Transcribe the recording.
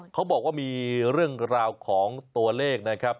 เขาบอกว่ามีเรื่องราวของตัวเลขนะครับ